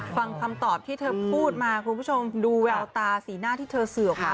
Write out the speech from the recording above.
ฟังคำตอบที่เธอพูดมาคุณผู้ชมดูแววตาสีหน้าที่เธอเสื่อมค่ะ